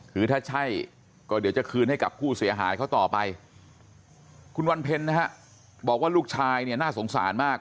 คือถ้าใช่ก็เดี๋ยวจะคืนให้กับผู้เสียหายเขาต่อไปคุณวันเพ็ญนะฮะบอกว่าลูกชายเนี่ยน่าสงสารมาก